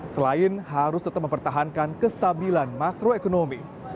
selain harus tetap mempertahankan kestabilan makroekonomi